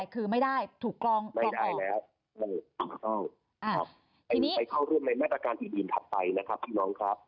หมายถึงไปเข้าร่วมในมาตรการที่ดินทางไปนะครับพี่น้องครับ